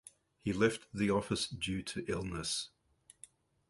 He left the office due to illness.